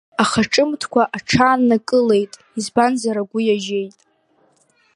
Аха ҿымҭкәа аҽааннакылеит, избанзар агәы иажьеит.